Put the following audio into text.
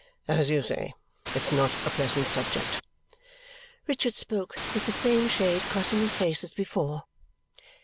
"As you say, it's not a pleasant subject." Richard spoke with the same shade crossing his face as before.